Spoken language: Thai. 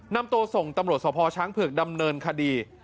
นำตัวส่งตำรวจสภช้างเผือกดำเนินคดี